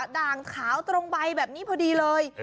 ด่างขาวตรงใบแบบนี้พอดีเลย